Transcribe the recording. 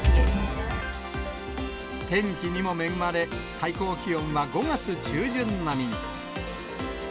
天気にも恵まれ、最高気温は５月中旬並みに。